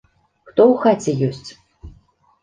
Хто ў хаце ёсць?